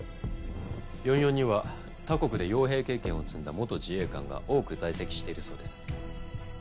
４４には他国で傭兵経験を積んだ元自衛官が多く在籍しているそうです。